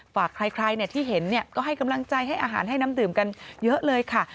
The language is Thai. ฝากใครที่เห็นก็ให้กำลังใจให้อาหารให้น้ำดื่มกันเยอะเลยค่ะ